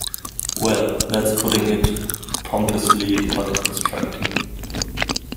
Well, that's putting it pompously - but constructing.